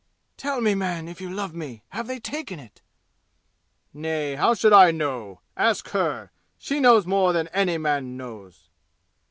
"Tell me, man, if you love me! Have they taken it?" "Nay, how should I know? Ask her! She knows more than any man knows!"